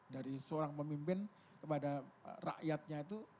dari seorang pemimpin kepada rakyatnya itu